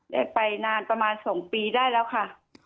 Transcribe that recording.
ได้ไปนานประมาณ๒ปีได้แล้วค่ะ